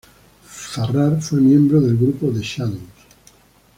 Farrar fue miembro del grupo The Shadows.